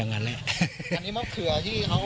อันนี้มะเขือที่เขา